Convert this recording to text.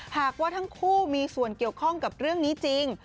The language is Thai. หากว่าทั้งคู่มีส่วนเกี่ยวข้องกับเรื่องนี้จริง